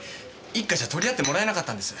一課じゃ取り合ってもらえなかったんです。